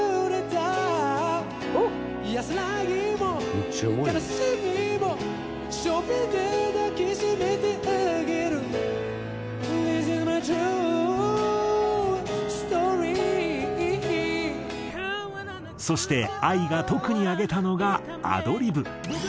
「めっちゃうまいな」そしてＡＩが特に挙げたのがアドリブ。